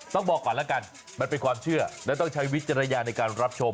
บอกก่อนแล้วกันมันเป็นความเชื่อและต้องใช้วิจารณญาณในการรับชม